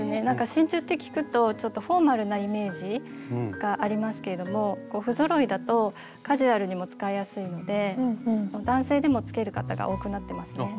真珠って聞くとちょっとフォーマルなイメージがありますけれども不ぞろいだとカジュアルにも使いやすいので男性でも着ける方が多くなってますね。